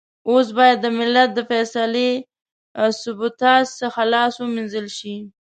اوس بايد د ملت د فيصلې سبوتاژ څخه لاس و مينځل شي.